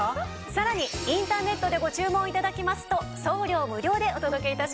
さらにインターネットでご注文頂きますと送料無料でお届け致します。